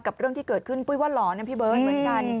เรื่องที่เกิดขึ้นปุ้ยว่าหลอนนะพี่เบิร์ตเหมือนกัน